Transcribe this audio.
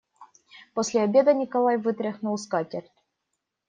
После обеда Николай вытряхнул скатерть.